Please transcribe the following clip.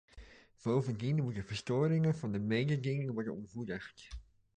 Bovendien moeten verstoringen van de mededinging worden ontmoedigd.